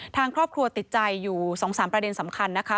ทางครอบครัวติดใจอยู่๒๓ประเด็นสำคัญนะคะ